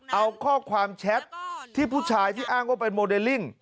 เอาข้อความแชทที่ผู้ชายที่อ้างว่าเป็นโมเดลลิ่ง